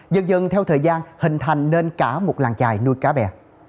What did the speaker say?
dần dần theo thời gian hình thành nên cả một làng trài nuôi cá bè